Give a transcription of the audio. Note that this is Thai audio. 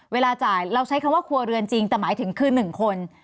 เวลาจ่ายเราใช้คำว่าครัวเรือนจริงแต่หมายถึงคือ๑คน